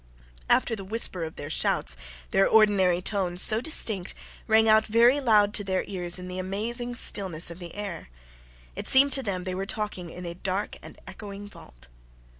After the whisper of their shouts, their ordinary tones, so distinct, rang out very loud to their ears in the amazing stillness of the air. It seemed to them they were talking in a dark and echoing vault.